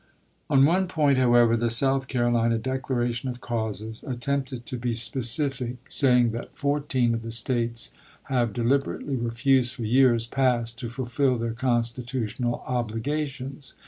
On one point, however, the South Carolina " Declaration of Causes" attempted to be specific, PEKSONAL LIBERTY BILLS 19 saying that " fourteen of the States have deliber chap. n. ately refused for years past to fulfill their constitu tional obligations.